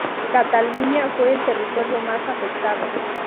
Cataluña fue el territorio más afectado.